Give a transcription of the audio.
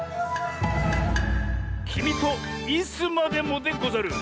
「きみとイスまでも」でござる。